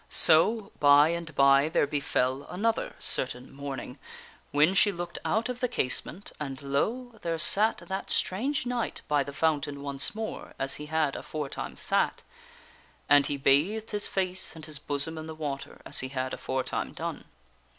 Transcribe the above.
So, by and by, there befell another certain morning when she looked out of the casement and, lo ! there sat that strange knight by the fountain once more as he had aforetime sat. And he bathed his face and his bosom in the water as he had aforetime done.